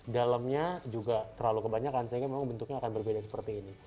dalamnya juga terlalu kebanyakan sehingga memang bentuknya akan berbeda seperti ini